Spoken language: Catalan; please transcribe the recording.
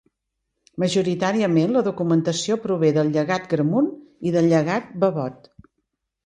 Majoritàriament la documentació prové del Llegat Gramunt i del Llegat Babot.